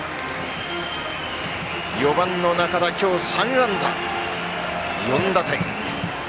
４番の仲田、今日３安打４打点。